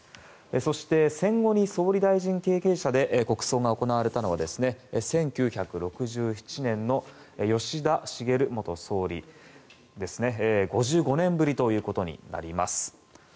そして、戦後に総理大臣経験者で国葬が行われたのは１９６７年の吉田茂元総理以来５５年ぶりということになります。